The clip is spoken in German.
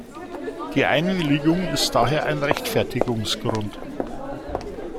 Die Einwilligung ist daher ein "Rechtfertigungsgrund".